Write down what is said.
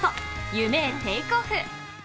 夢へテークオフ！